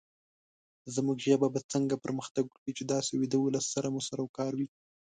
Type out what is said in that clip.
زمونږ ژبه به څنګه پرمختګ وکړې، چې داسې ويده ولس سره مو سروکار وي